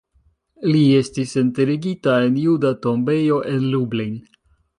Li estis enterigita en juda tombejo en Lublin.